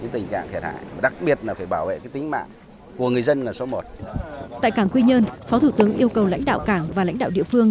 tại cảng quy nhơn phó thủ tướng yêu cầu lãnh đạo cảng và lãnh đạo địa phương